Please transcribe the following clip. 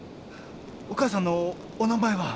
お母さんのお名前は？